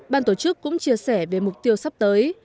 ban tổ chức cũng chia sẻ về mục tiêu sắp tới